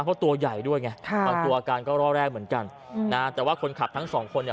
เพราะตัวใหญ่ด้วยไงค่ะบางตัวอาการก็ร่อแรกเหมือนกันนะแต่ว่าคนขับทั้งสองคนเนี่ย